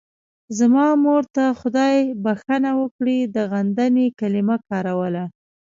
زما مور ته خدای بښنه وکړي د غندنې کلمه کاروله.